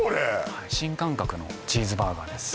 はい新感覚のチーズバーガーです